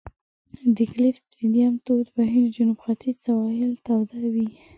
د ګلف ستریم تود بهیر جنوب ختیځ سواحل توده وي.